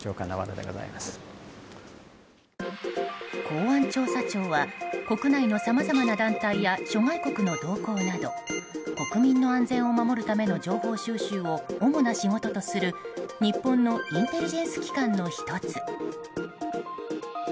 公安調査庁は国内のさまざまな団体や諸外国の動向など国民の安全を守るための情報収集を主な仕事とする日本のインテリジェンス機関の１つ。